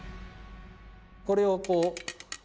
これをこう。